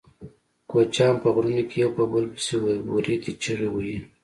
کوچیان په غرونو کې یو په بل پسې وریتې چیغې وهي.